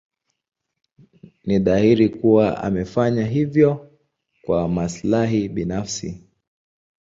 Ni dhahiri kuwa amefanya hivyo kwa maslahi binafsi.